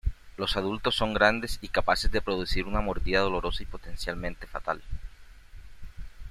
Los adultos son grandes y capaces de producir una mordida dolorosa y potencialmente fatal.